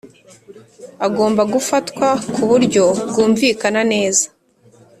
Agomba gufatwa ku buryo bwumvikana neza